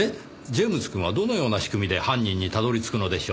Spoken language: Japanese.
ジェームズくんはどのような仕組みで犯人にたどり着くのでしょう？